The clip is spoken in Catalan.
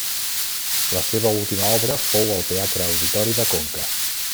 La seva última obra fou el Teatre Auditori de Conca.